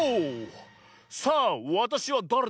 さあわたしはだれだっけ？